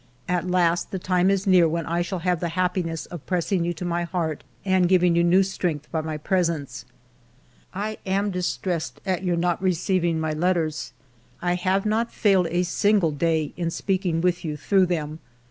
" At last the time Is near when I shall have the happiness of pressing you to my heart and giving you new strength by my presence. 92 FIVE YEARS OF MY LIFE " I am distressed at your not receiving my letters ; I have not failed a single day in speaking with you through them.